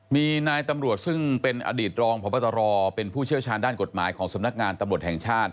มีนายตำรวจซึ่งเป็นอดีตรองพบตรเป็นผู้เชี่ยวชาญด้านกฎหมายของสำนักงานตำรวจแห่งชาติ